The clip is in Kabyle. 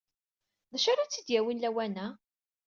D acu ara tt-id-yawin lawan-a?